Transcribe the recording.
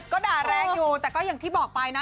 ก็ด่าแรงอยู่แต่ก็อย่างที่บอกไปนะ